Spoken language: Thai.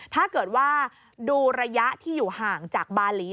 ถ้าเกิดว่าดูระยะที่อยู่ห่างจากบาหลี